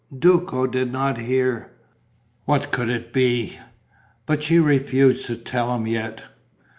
Duco did not hear. What could it be? But she refused to tell him yet.